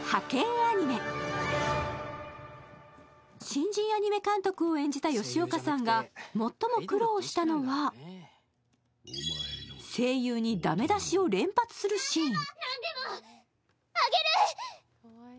新人アニメ監督を演じた吉岡さんが最も苦労しのが声優にダメ出しを連発するシーン。